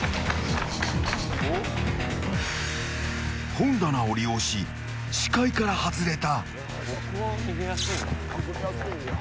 本棚を利用し視界から外れた。